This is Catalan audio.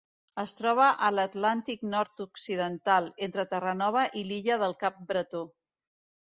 Es troba a l'Atlàntic nord-occidental: entre Terranova i l'illa del Cap Bretó.